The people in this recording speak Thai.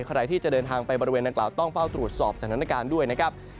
ใครที่จะเดินทางไปบริเวณนางกล่าวต้องเฝ้าตรวจสอบสถานการณ์ด้วยนะครับ